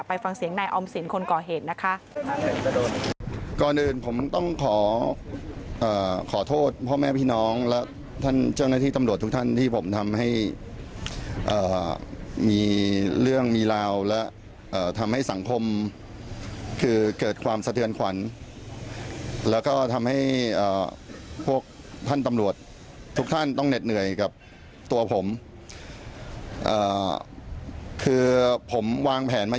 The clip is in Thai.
ฟังเสียงนายออมสินคนก่อเหตุนะคะ